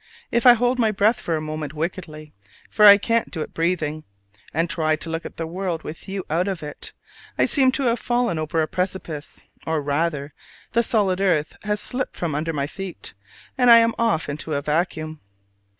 If I hold my breath for a moment wickedly (for I can't do it breathing), and try to look at the world with you out of it, I seem to have fallen over a precipice; or rather, the solid earth has slipped from under my feet, and I am off into vacuum.